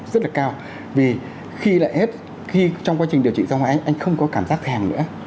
rất là cao vì khi lại hết khi trong quá trình điều trị ra ngoài anh không có cảm giác thèm nữa